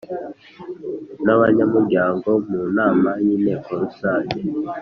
n abanyamuryango mu nama y Inteko Rusange